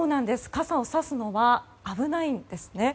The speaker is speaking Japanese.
傘をさすのは危ないんですね。